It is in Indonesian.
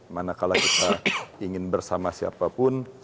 manakala kita ingin bersama siapapun